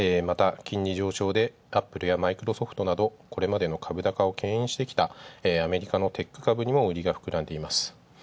また、金利上昇でＡｐｐｌｅやマイクロソフトなどこれまでの株高を牽引してきた、アメリカのテック株にも売りが広がっています。